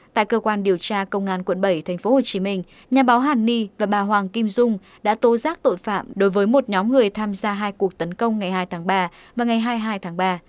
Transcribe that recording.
tại cơ quan điều tra công an quận bảy tp hcm nhà báo hàn ni và bà hoàng kim dung đã tố giác tội phạm đối với một nhóm người tham gia hai cuộc tấn công ngày hai tháng ba và ngày hai mươi hai tháng ba